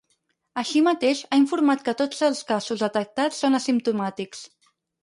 Així mateix, ha informat que tots els casos detectats són asimptomàtics.